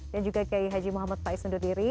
dan juga gaya haji muhammad faiz ndut diri